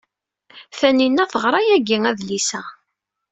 Tanina teɣra yagi adlis-a.